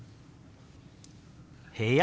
「部屋」。